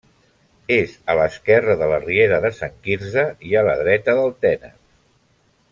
És a l'esquerra de la riera de Sant Quirze i a la dreta del Tenes.